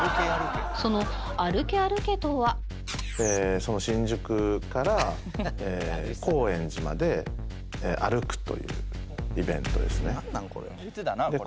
その新宿から高円寺まで歩くというイベントですね。